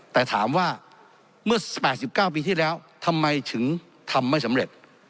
แต่ถามว่าเมื่อ๘๙ปีที่แล้วทำไมถึงทำไม่สำเร็จ